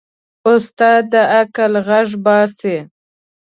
استاد د عقل غږ باسي.